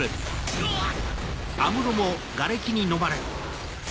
うわっ！